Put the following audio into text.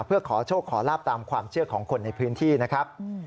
เพื่อขอโชคขอลาบตามความเชื่อของคนในพื้นที่นะครับ